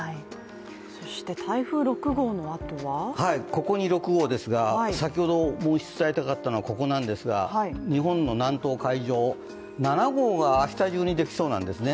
そして台風６号のあとはここに６号ですが、先ほどお伝えしたかったのはここなんですが日本の南東７号が明日中にできそうなんですね。